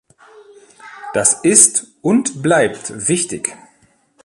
Das ist und bleibt wichtig.